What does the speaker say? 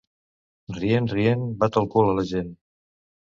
Rient, rient, bat el cul a la gent.